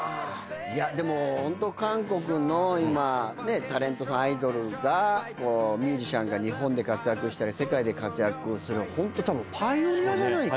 いやでもホント韓国の今タレントさんアイドルがミュージシャンが日本で活躍したり世界で活躍をするホントパイオニアじゃないかな。